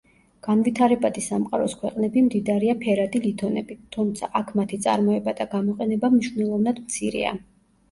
განვითარებადი სამყაროს ქვეყნები მდიდარია ფერადი ლითონებით, თუმცა, აქ მათი წარმოება და გამოყენება მნიშვნელოვნად მცირეა.